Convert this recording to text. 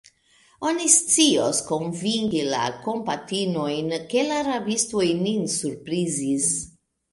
Oni scios konvinki la kaptitinojn, ke la rabistoj nin surprizis.